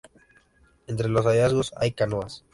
Entre los hallazgos hay canoas.